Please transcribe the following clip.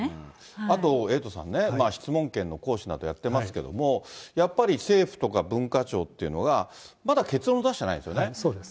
あと、エイトさんね、質問権の行使などやってますけども、やっぱり政府とか文化庁っていうのが、そうですね。